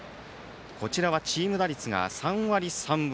こちらはチーム打率が３割３分